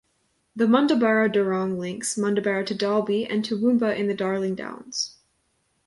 The Mundubbera-Durong links Mundubbera to Dalby and Toowoomba in the Darling Downs.